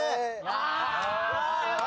あ！